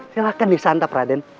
silahkan disantap raden